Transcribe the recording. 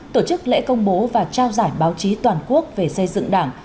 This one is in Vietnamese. tổ chức lễ công bố và trao giải báo chí toàn quốc về xây dựng đảng